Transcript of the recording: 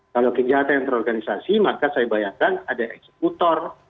kalau kejahatan yang terorganisasi maka saya bayangkan ada eksekutor